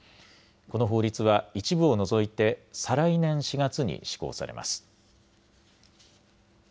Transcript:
この法律は一部を除いて再来年４月に施行されます。